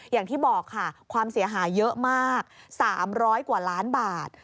อย่างที่บอกค่ะความเสียหายเยอะมาก๓๐๐กว่าล้านบาท